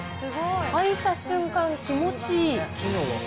履いた瞬間、気持ちいい。